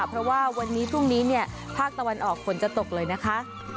เพราะว่าวันนี้พรุ่งนี้เนี่ยภาคตะวันออกฝนจะตกเลยนะคะ